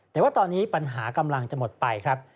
แต่ว่าตอนนี้ปัญหากำลังจะหมดไปครับ